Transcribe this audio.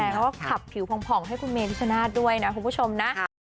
แล้วก็ขับผิวผ่องให้คุณเมพิชชนาธิ์ด้วยนะคุณผู้ชมนะ